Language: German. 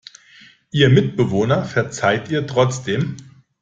Ihr Mitbewohner verzeiht ihr trotzdem.